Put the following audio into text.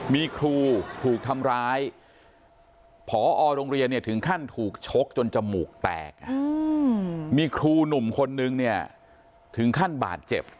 มีครูถูกทำร้ายผอโรงเรียนเนี่ยถึงขั้นถูกชกจนจมูกแตกมีครูหนุ่มคนนึงเนี่ยถึงขั้นบาดเจ็บ